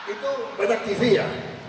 itu produk tv ya